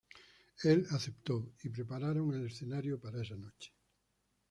Él aceptó y prepararon el escenario para esa noche.